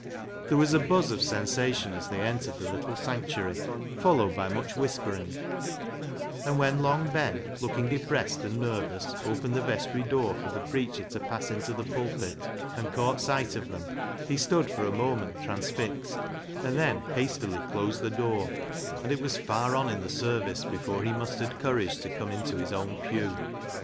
There was a buzz of sensation as they LEAH'S LOVER iii entered the little sanctuary, followed by much whispering, and when Long Ben, looking de pressed and nervous, opened the vestry door for the preacher to pass into the pulpit, and caught sight of them, he stood for a moment transfixed, and then hastily closed the door, and it was far on in the service before he mus tered courage to come into his own pew.